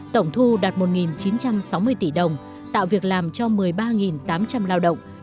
tổng thu đạt một chín trăm sáu mươi tỷ đồng tạo việc làm cho một mươi ba tám trăm linh lao động